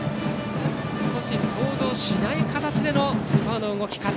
少し想像しない形でのスコアの動き方。